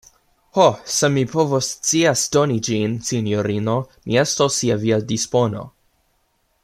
Ho, se mi povoscias doni ĝin, sinjorino, mi estos je via dispono.